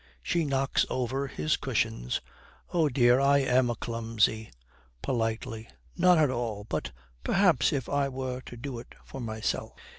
She knocks over his cushions. 'Oh dear! I am a clumsy.' Politely, 'Not at all, but perhaps if I were to do it for myself.'